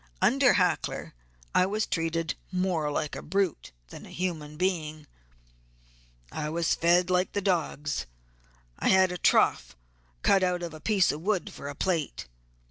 Under Hackler I was treated more like a brute than a human being. I was fed like the dogs; had a trough dug out of a piece of wood for a plate.